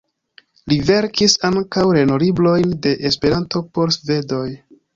Li verkis ankaŭ lernolibrojn de Esperanto por svedoj.